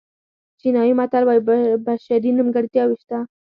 چینایي متل وایي بشري نیمګړتیاوې شته.